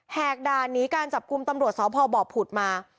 กด่านหนีการจับกลุ่มตำรวจสพบผุดมา